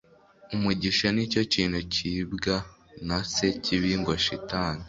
umugisha nicyo kintu cyibwa na se kibi ngo shitani